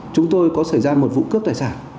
chúng tôi có xảy ra một vụ cướp tài sản